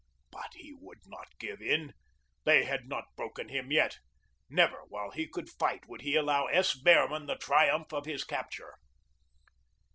But he would not give in. They had not broken him yet. Never, while he could fight, would he allow S. Behrman the triumph of his capture.